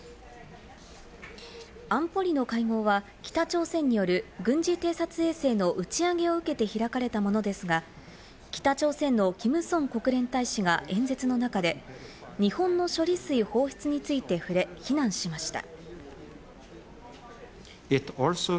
安保理の会合は北朝鮮による軍事偵察衛星の打ち上げを受けて開かれたものですが、北朝鮮のキム・ソン国連大使が演説の中で日本の処理水放出について触れ非難しました。